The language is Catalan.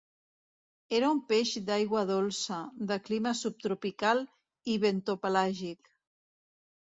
Era un peix d'aigua dolça, de clima subtropical i bentopelàgic.